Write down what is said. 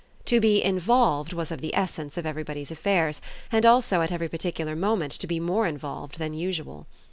To be "involved" was of the essence of everybody's affairs, and also at every particular moment to be more involved than usual.